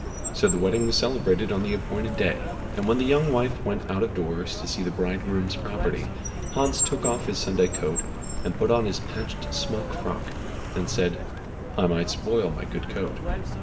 So the wedding was celebrated on the appointed day, and when the young wife went out of doors to see the bridegroom's property, Hans took off his Sunday coat and put on his patched smock frock and said, "I might spoil my good coat."